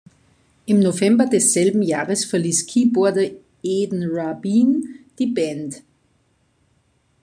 Im November desselben Jahres verließ Keyboarder Eden Rabin die Band.